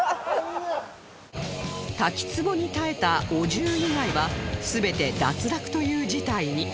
滝壺に耐えたお重以外は全て脱落という事態に